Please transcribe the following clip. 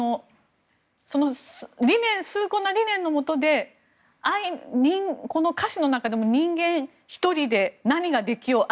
崇高な理念のもとでこの歌詞の中でも、人間１人で何ができよう愛